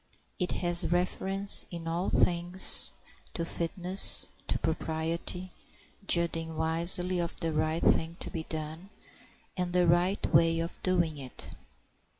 It has reference in all things to fitness, to propriety, judging wisely of the right thing to be done and the right way of doing it.